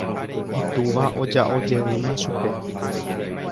Itúva oja'ojeýma chupe.